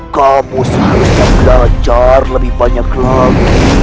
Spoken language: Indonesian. kamu selalu belajar lebih banyak lagi